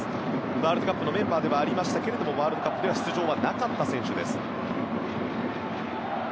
ワールドカップのメンバーではありましたがワールドカップでは出場はなかった選手です。